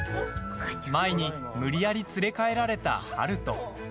舞に無理やり連れ帰られた悠人。